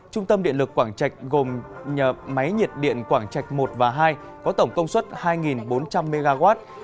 trung tâm điện lực quảng trạch gồm nhà máy nhiệt điện quảng trạch i và hai có tổng công suất hai bốn trăm linh mw